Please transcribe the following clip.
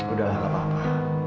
udah lah gak apa apa